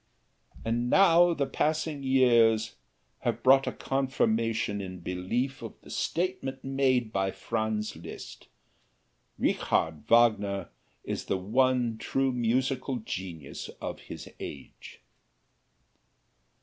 And now the passing years have brought a confirmation in belief of the statement made by Franz Liszt, "Richard Wagner is the one true musical genius of his age."